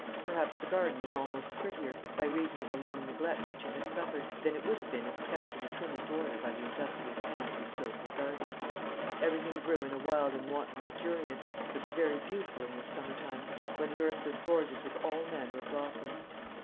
Perhaps the garden was almost prettier, by reason of the long neglect which it had suffered, than it would have been if kept in the trimmest order by the industrious hands of a skilful gardener. Everything grew in a wild and wanton luxuriance, that was very beautiful in this summer time, when the earth was gorgeous with all manner of blossoms.